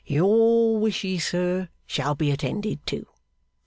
'Your wishes, sir, shall be attended to.